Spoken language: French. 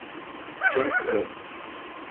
James Club.